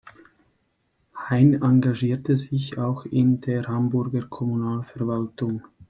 Hayn engagierte sich auch in der Hamburger Kommunalverwaltung.